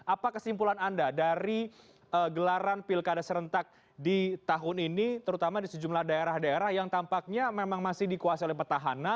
apa kesimpulan anda dari gelaran pilkada serentak di tahun ini terutama di sejumlah daerah daerah yang tampaknya memang masih dikuasai oleh petahana